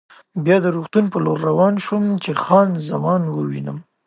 بیا د روغتون په لور روان شوم چې خان زمان ووینم.